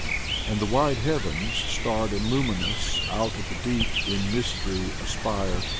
And the wide heavens, starred and luminous, Out of the deep in mystery aspire.